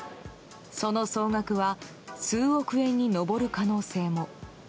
その総額は数億円に上る可能性も。